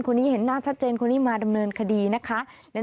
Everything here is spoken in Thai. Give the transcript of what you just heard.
คนนี้เห็นหน้าชัดเจนคนนี้มาดำเนินคดีนะคะ